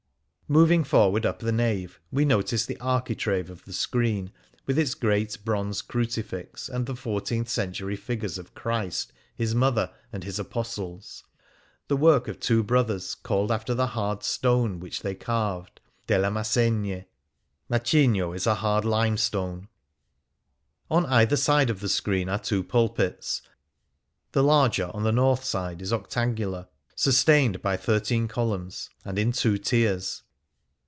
]Moving forward up the nave, we notice the architrave of the screen, with its great bronze crucifix and the fourteenth century figures of Christ, His mother, and His apostles — the work of two brothers, called after the hard stone which they carved, '* Delle Massegne." * On either side of the screen are two pulpits. The larger, on the north side, is octangular, sustained by thirteen columns, and in two tiers.